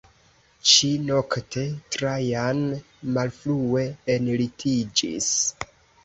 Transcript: Ĉi-nokte Trajan malfrue enlitiĝis.